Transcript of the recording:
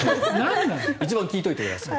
一番聞いておいてください。